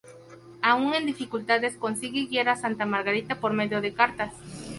Aún en dificultades, consigue guiar a Santa Margarita por medio de cartas.